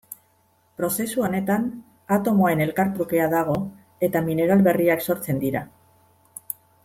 Prozesu honetan atomoen elkartrukea dago eta mineral berriak sortzen dira.